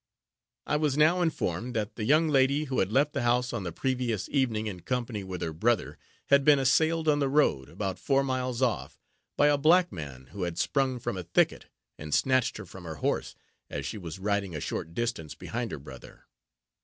I was now informed that the young lady, who had left the house on the previous evening in company with her brother, had been assailed on the road, about four miles off, by a black man, who had sprung from a thicket, and snatched her from her horse, as she was riding a short distance behind her brother.